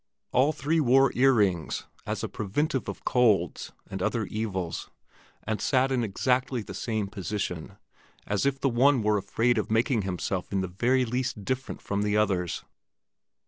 All three wore ear rings as a preventive of colds and other evils, and all sat in exactly the same position, as if the one were afraid of making himself in the very least different from the others.